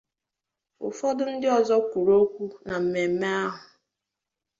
Ụfọdụ ndị ọzọ kwuru okwu na mmemme ahụ